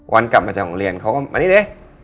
วันกลับมาจากโรงเรียนเขาก็มานี่เลย